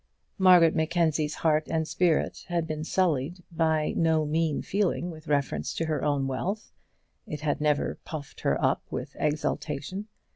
Margaret Mackenzie's heart and spirit had been sullied by no mean feeling with reference to her own wealth. It had never puffed her up with exultation.